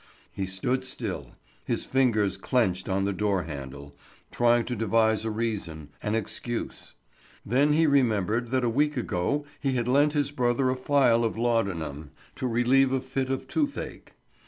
He stood still, his fingers clinched on the door handle, trying to devise a reason, an excuse. Then he remembered that a week ago he had lent his brother a phial of laudanum to relieve a fit of toothache.